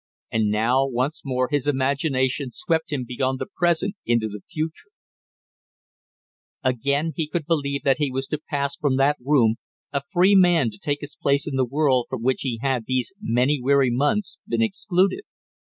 And now once more his imagination swept him beyond the present into the future; again he could believe that he was to pass from that room a free man to take his place in the world from which he had these many weary months been excluded.